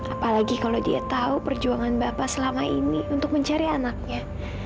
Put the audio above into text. apalagi kalau dia tahu perjuangan bapak selama ini untuk mencari anaknya